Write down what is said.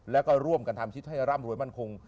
แล้วก็ร่วมกันทำชิดให้ร่ำรวยมั่นคง